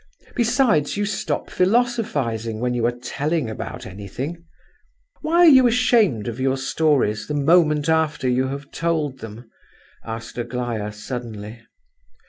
Besides, you stop philosophizing when you are telling about anything." "Why are you ashamed of your stories the moment after you have told them?" asked Aglaya, suddenly.